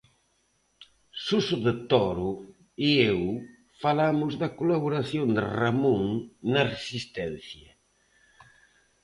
Suso de Toro e eu falamos da colaboración de Ramón na Resistencia.